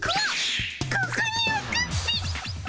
ここにおくっピ。